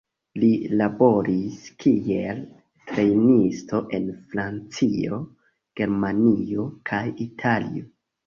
Li laboris kiel trejnisto en Francio, Germanio kaj Italio.